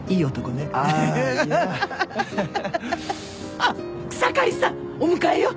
あっ草刈さんお迎えよ。